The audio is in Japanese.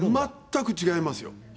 全く違いますよ。